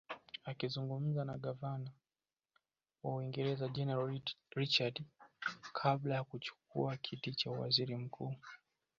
Akizungumza na Gavana wa Uingereza General Richard kabla ya kuchukua kiti cha uwaziri mkuu